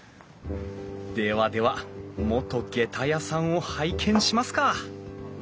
ではでは元げた屋さんを拝見しますか！